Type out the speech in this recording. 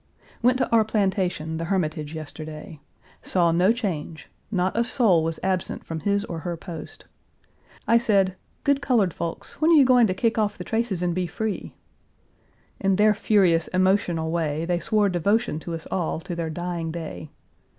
Went to our plantation, the Hermitage, yesterday. Saw no change; not a soul was absent from his or her post. I said, "Good colored folks, when are you going to kick off the traces and be free?" In their furious, emotional way, they swore devotion to us all to their dying day.